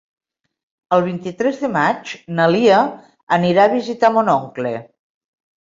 El vint-i-tres de maig na Lia anirà a visitar mon oncle.